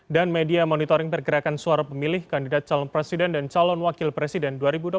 media monitoring pergerakan suara pemilih kandidat calon presiden dan calon wakil presiden dua ribu dua puluh